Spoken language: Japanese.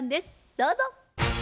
どうぞ。